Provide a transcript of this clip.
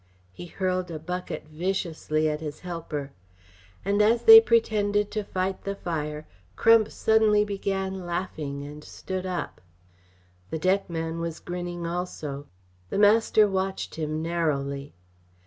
He hurled a bucket viciously at his helper. And as they pretended to fight the fire, Crump suddenly began laughing and stood up. The deckman was grinning also. The master watched him narrowly.